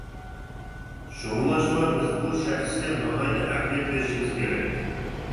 شۇڭلاشقا بىز بۇ شەخسكە ناھايىتى ئەھمىيەت بېرىشىمىز كېرەك.